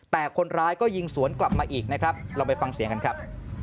แต่คนร้ายก็ยิงสวนกลับมาอีกนะครับเราไปฟังเสียงกันครับ